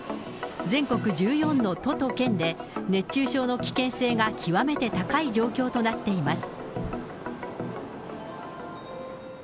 全国１４の都と県で熱中症の危険性が極めて高い状況となっています。